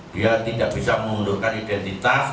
dia tidak bisa mengundurkan identitas